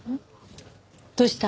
どうした？